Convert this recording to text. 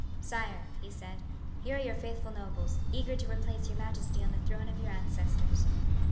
"'Sire,' he said, 'here are your faithful nobles, eager to replace your majesty on the throne of your ancestors.'